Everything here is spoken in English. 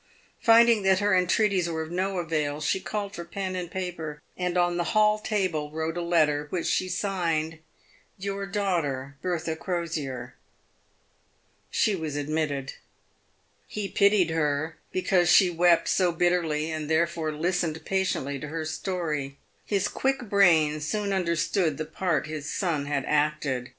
Finding that her entreaties were of no avail, she called for pen and paper, and on the hall table wrote a letter, which she signed " Your daughter — Bertha Crosier." She was ad mitted. He pitied her because she wept so bitterly, and therefore listened patiently to her story. His quick brain soon understood the part his son had acted.